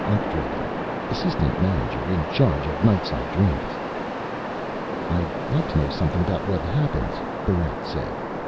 Arkdragen, assistant manager in charge of nightside dreams." "I'd like to know something about what happens," Barrent said.